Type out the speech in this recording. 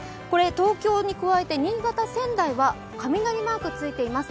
東京に加えて新潟・仙台は雷マークがついています。